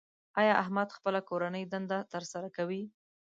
ایا احمد خپله کورنۍ دنده تر سره کوي؟